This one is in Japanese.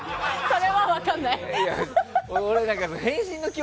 それは分からない。